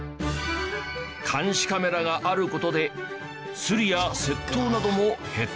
監視カメラがある事でスリや窃盗なども減ったそう。